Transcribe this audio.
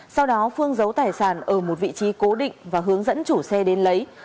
sau đó phương giấu tài sản ở một vị trí cố định và hướng dẫn chủ xe đến lấy